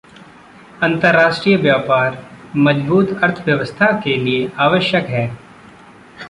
अंतर्राष्ट्रीय व्यापार मज़बूत अर्थव्यवस्था के लिए आवश्यक है।